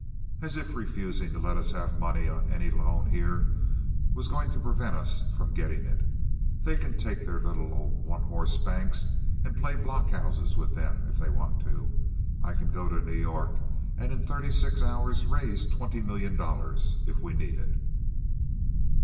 As if refusing to let us have money on any loan here was going to prevent us from getting it! They can take their little old one horse banks and play blockhouses with them if they want to. I can go to New York and in thirty six hours raise twenty million dollars if we need it."